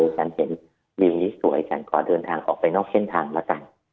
ฉันเห็นวิวนี้สวยฉันขอเดินทางออกไปนอกเส้นทางละกัน